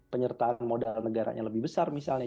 penyertaan modal negaranya lebih besar misalnya